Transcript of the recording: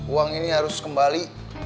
uang ini harus kembali